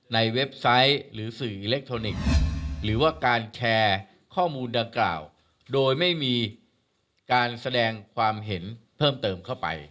เว็บไซต์หรือสื่ออิเล็กทรอนิกส์หรือว่าการแชร์ข้อมูลดังกล่าวโดยไม่มีการแสดงความเห็นเพิ่มเติมเข้าไป